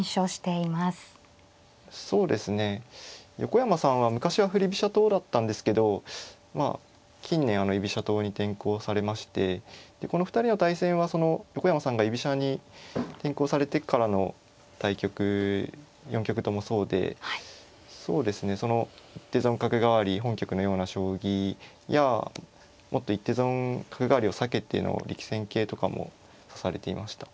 そうですね横山さんは昔は振り飛車党だったんですけどまあ近年居飛車党に転向されましてでこの２人の対戦はその横山さんが居飛車に転向されてからの対局４局ともそうでそうですねその一手損角換わり本局のような将棋やもっと一手損角換わりを避けての力戦形とかも指されていました。